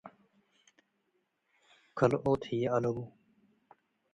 ከልኦም ህዬ አለቡ ።